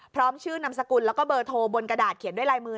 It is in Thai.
พร้อมชื่อนามสกุลแล้วก็เบอร์โทรบนกระดาษเขียนด้วยลายมือ